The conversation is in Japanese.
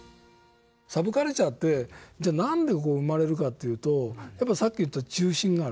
サブカルチャーってじゃあ何で生まれるかというとやっぱりさっき言った中心がある。